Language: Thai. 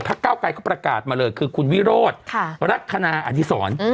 เก้าไกรเขาประกาศมาเลยคือคุณวิโรธลักษณะอดีศร